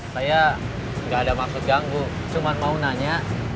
saya nggak ada maksud ganggu cuma mau nanya